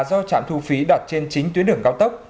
do trạm thu phí đặt trên chính tuyến đường cao tốc